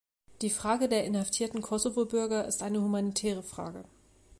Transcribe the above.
Die Frage der inhaftierten Kosovobürger ist eine humanitäre Frage.